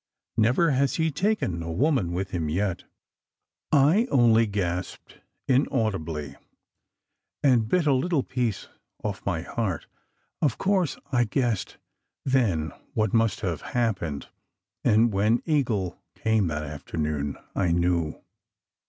Never has he taken a woman with him yet." I only gasped inaudibly, and bit a little piece off my heart. Of course I guessed then what must have hap pened; and when Eagle came that afternoon, I knew.